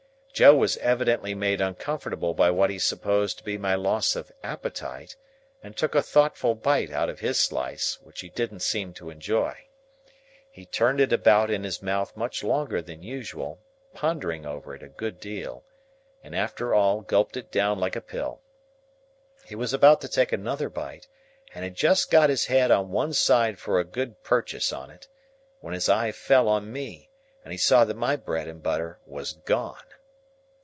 Joe was evidently made uncomfortable by what he supposed to be my loss of appetite, and took a thoughtful bite out of his slice, which he didn't seem to enjoy. He turned it about in his mouth much longer than usual, pondering over it a good deal, and after all gulped it down like a pill. He was about to take another bite, and had just got his head on one side for a good purchase on it, when his eye fell on me, and he saw that my bread and butter was gone.